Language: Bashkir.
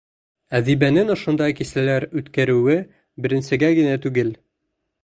Әҙибәнең ошондай кисәләр үткәреүе беренсегә генә түгел.